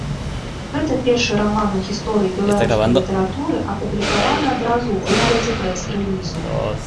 Гэта першы раман у гісторыі беларускай літаратуры, апублікаваны адразу ў выглядзе прэс-рэлізу.